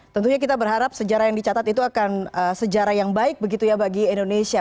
tentunya kita berharap sejarah yang dicatat itu akan sejarah yang baik begitu ya bagi indonesia